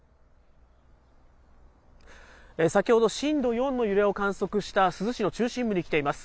先ほど震度４の揺れを観測した珠洲市の中心部に来ています。